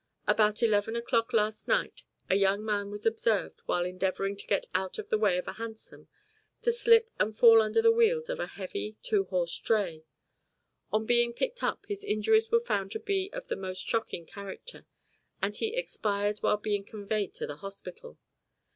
About eleven o'clock last night a young man was observed while endeavouring to get out of the way of a hansom to slip and fall under the wheels of a heavy, two horse dray. On being picked up his injuries were found to be of the most shocking character, and he expired while being conveyed to the hospital.